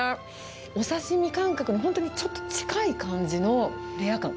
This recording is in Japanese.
お刺身感覚に、本当ちょっと近い感じのレア感。